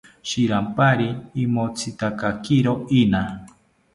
Shirampari imotzitakakiro ina